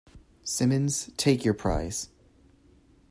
Simmons, take your prize.